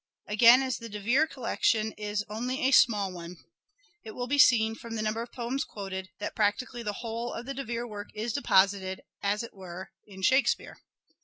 Again, as the De Vere collection 204 "SHAKESPEARE" IDENTIFIED is only a small one, it will be seen, from the number of poems quoted, that practically the whole of the De Vere work is deposited, as it were, in Shakespeare.